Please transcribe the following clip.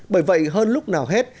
bởi vậy hơn lúc nào hết